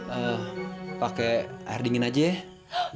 eh pakai air dingin aja ya